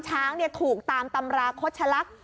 ช้างถูกตามตำราโฆษลักษณ์